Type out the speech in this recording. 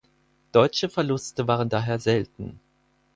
Deutsche Verluste waren daher selten.